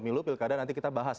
milu pilkada nanti kita bahas